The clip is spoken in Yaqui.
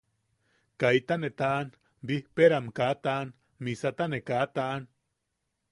Kaita ne taʼan, bijpeeram kaa taʼan, misata ne kaa taʼan.